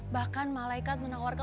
bahkan malaikat menawarkan